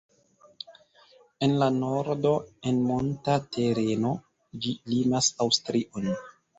En la nordo, en monta tereno, ĝi limas Aŭstrion.